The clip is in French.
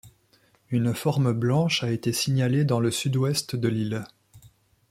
Une forme blanche a été signalée dans le sud-ouest de l'île.